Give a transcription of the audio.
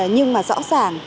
nhưng mà rõ ràng